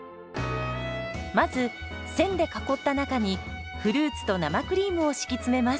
まず線で囲った中にフルーツと生クリームを敷き詰めます。